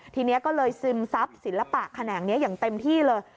ทีนี้ก็เลยซึมซับศิลปะแขนงนี้อย่างเต็มที่เลย